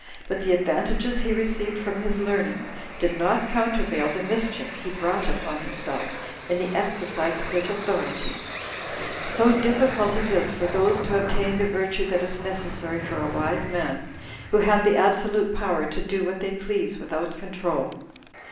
But the advantages he received from his learning did not countervail the mischief he brought upon himself in the exercise of his authority; so difficult it is for those to obtain the virtue that is necessary for a wise man, who have the absolute power to do what they please without control.